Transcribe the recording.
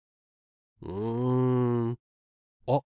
うんあっ